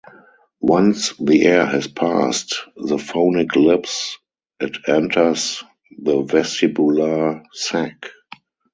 Once the air has passed the phonic lips it enters the vestibular sac.